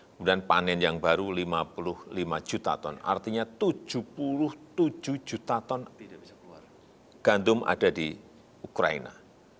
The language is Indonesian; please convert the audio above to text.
kemudian panen yang baru lima puluh lima juta ton artinya tujuh puluh tujuh juta ton gandum ada di ukraina